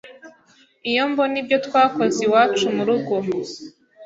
iyo mbona ibyo twakoze iwacu mu rugo